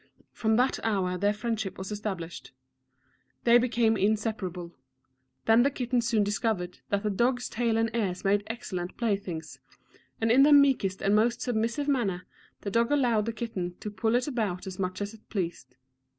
From that hour their friendship was established. They became inseparable; then the kitten soon discovered that the dog's tail and ears made excellent play things, and in the meekest and most submissive manner the dog allowed the kitten to pull it about as much as it pleased.